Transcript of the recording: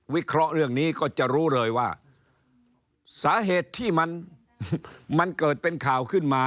เคราะห์เรื่องนี้ก็จะรู้เลยว่าสาเหตุที่มันเกิดเป็นข่าวขึ้นมา